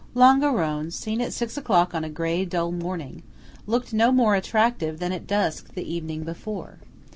LONGARONE, seen at six o'clock on a grey, dull morning, looked no more attractive than at dusk the evening before.